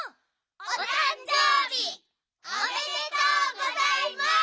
おたんじょうびおめでとうございます！